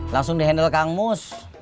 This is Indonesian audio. langsung di handle kang mus